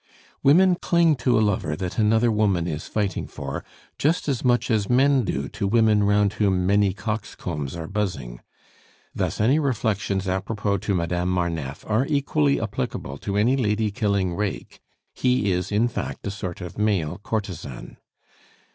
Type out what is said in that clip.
Women cling to a lover that another woman is fighting for, just as much as men do to women round whom many coxcombs are buzzing. Thus any reflections a propos to Madame Marneffe are equally applicable to any lady killing rake; he is, in fact, a sort of male courtesan.